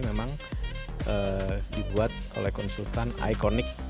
memang dibuat oleh konsultan ikonik